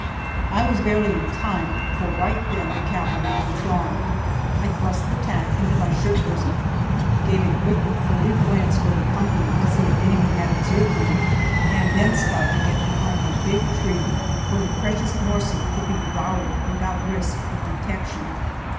I was barely in time, for right then the cavalry moved on. I thrust the tack into my shirt bosom, gave a quick, furtive glance towards the company to see if anyone had observed me, and then started to get behind a big tree, where the precious morsel could be devoured without risk of detection.